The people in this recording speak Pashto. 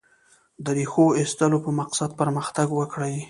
د ریښو ایستلو په مقصد پرمختګ وکړي.